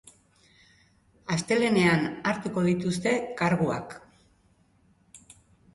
Astelehenean hartuko dituzte karguak.